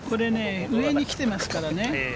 上に来てますからね。